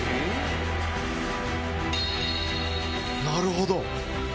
なるほど！